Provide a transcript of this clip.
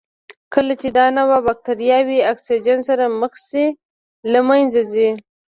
کله چې دا نوعه بکټریاوې اکسیجن سره مخ شي له منځه ځي.